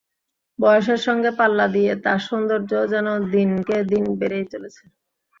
বয়সের সঙ্গে পাল্লা দিয়ে তাঁর সৌন্দর্যও যেন দিনকে দিন বেড়েই চলেছে।